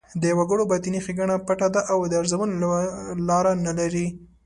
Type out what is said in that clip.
د وګړو باطني ښېګڼه پټه ده او د ارزونې لاره نه لري.